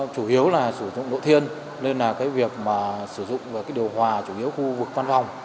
chủ yếu là sử dụng lỗ thiên nên là việc sử dụng điều hòa chủ yếu khu vực văn phòng